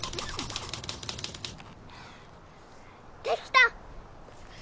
できた！